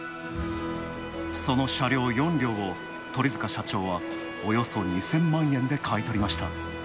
その車両４両を鳥塚社長はおよそ２０００万円で買い取りました。